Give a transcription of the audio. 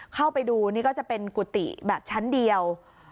เข้าไปดูนี่ก็จะเป็นกุฏิแบบชั้นเดียว